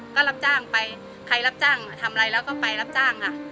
ก็รับจ้างไปใครรับจ้างทำอะไรแล้วก็ไปรับจ้างค่ะ